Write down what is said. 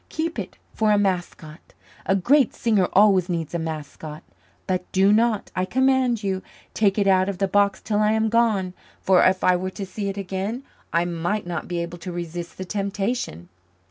Keep it for a mascot. A great singer always needs a mascot. But do not, I command you, take it out of the box till I am gone, for if I were to see it again, I might not be able to resist the temptation.